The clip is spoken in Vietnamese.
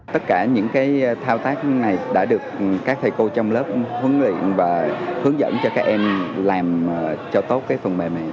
tất cả những cái thao tác này đã được các thầy cô trong lớp huấn luyện và hướng dẫn cho các em làm cho tốt cái phần mẹ mẹ